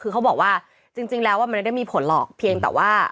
คือเขาบอกว่าจริงแล้วมันไม่ได้มีผลหรอกเพียงแต่ว่า